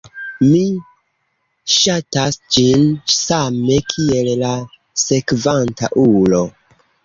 Mi sxatas ĝin, same kiel la sekvanta ulo